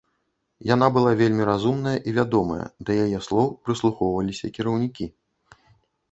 Яна была вельмі разумная і вядомая, да яе слоў прыслухоўваліся кіраўнікі.